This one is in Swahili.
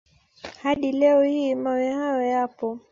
Hadi leo hii mawe hayo yapo.